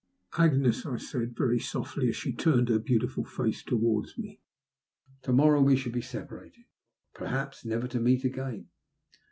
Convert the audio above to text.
"Agnes," I said, very softly, as she turned her beautiful face towards me, "to morrow we shall be separated, perhaps never to meet again.